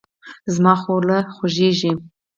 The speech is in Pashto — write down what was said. زما خوله خوږیږي